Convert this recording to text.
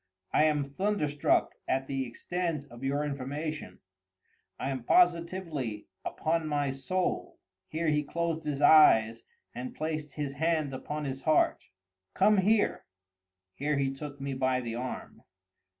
"I am thunderstruck at the extent of your information—I am positively—upon my soul." [Here he closed his eyes and placed his hand upon his heart.] "Come here!" [Here he took me by the arm.